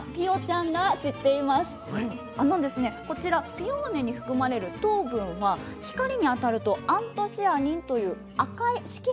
ピオーネに含まれる糖分は光に当たるとアントシアニンという赤い色素に変わるんですね。